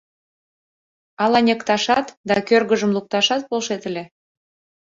Ала ньыкташат да кӧргыжым лукташат полшет ыле?